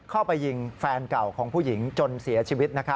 เข้าไปยิงแฟนเก่าของผู้หญิงจนเสียชีวิต